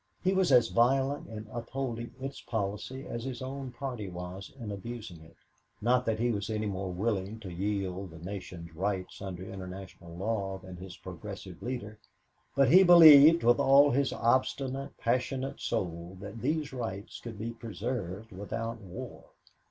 He was as violent in upholding its policy as his own party was in abusing it. Not that he was any more willing to yield the nation's rights under international law than his Progressive leader, but he believed with all his obstinate, passionate soul that these rights could be preserved without war.